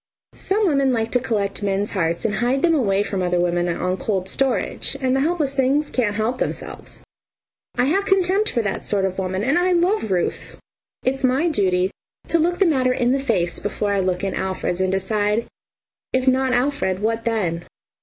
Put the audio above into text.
Some women like to collect men's hearts and hide them away from other women on cold storage, and the helpless things can't help themselves. I have contempt for that sort of a woman, and I love Ruth! It's my duty to look the matter in the face before I look in Alfred's and decide. If not Alfred, what then?